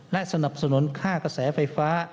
และสนับสนุนค่ากระแสไฟฟ้า